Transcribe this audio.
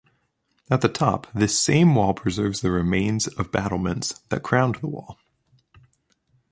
At the top, this same wall preserves the remains of battlements that crowned the wall.